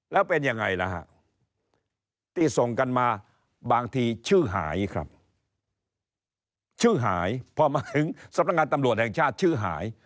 แล้วเป็นยังไงล่ะฮะที่ส่งกันมาบางทีชื่อหายครับชื่อหายพอมาถึงสำนักงานตำรวจแห่งชาติชื่อหาย